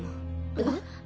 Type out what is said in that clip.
えっ？